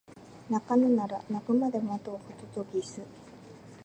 鳴かぬなら鳴くまで待とうホトトギス